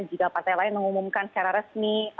jika partai lain mengumumkan secara resmi